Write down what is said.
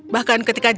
bahkan ketika jeremy